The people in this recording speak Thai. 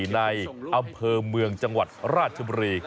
ในอำเภอเมืองจังหวัดราชบุรี